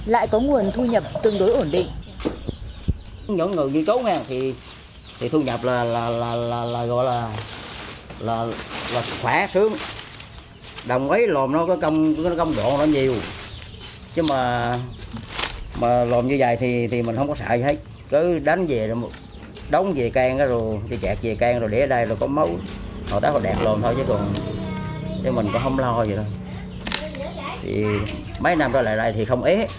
lại có nguồn thu nhập tương đối ổn định